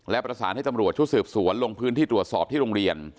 และประสานให้ตำรวจชุดสืบสวนลงพื้นที่ตรวจสอบที่โรงเรียน